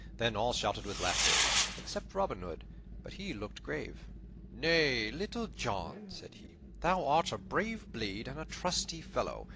Then all shouted with laughter, except Robin Hood; but he looked grave. "Nay, Little John," said he, "thou art a brave blade and a trusty fellow.